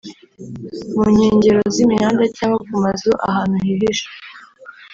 mu nkengero z’imihanda cyangwa ku mazu ahantu hihishe